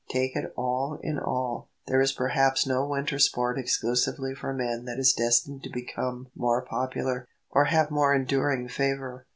Take it all in all, there is perhaps no winter sport exclusively for men that is destined to become more popular, or have more enduring favour.